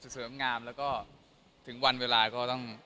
เสริมงามแล้วก็ถึงวันเวลาก็ต้อง